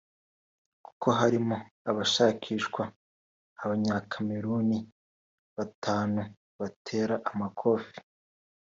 kuko harimo hashakishwa Abanyakameruni batanu batera amakofi